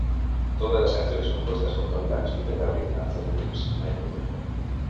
Todas las canciones compuestas por Tony Banks, Peter Gabriel, Anthony Phillips y Mike Rutherford.